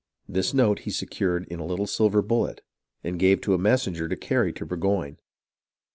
This note he secured in a little silver bullet, and gave to a messenger to carry to Bur goyne.